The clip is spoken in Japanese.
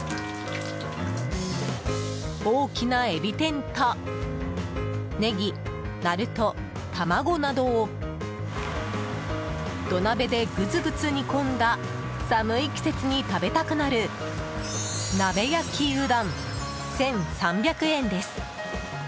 大きなエビ天とネギ、なると、卵などを土鍋でぐつぐつ煮込んだ寒い季節に食べたくなるなべ焼うどん、１３００円です。